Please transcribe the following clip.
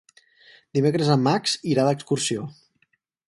Dimecres en Max irà d'excursió.